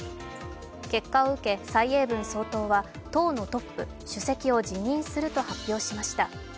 結果を受け、蔡英文総統は党のトップ・主席を辞任すると発表しました。